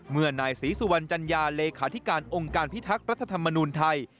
เมื่อนายศรีสุวรรณจัญญาเลขาธิการองค์การพิทักษ์รัฐธรรมนูลไทย